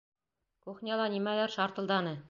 Кухняла нимәлер шартылданы!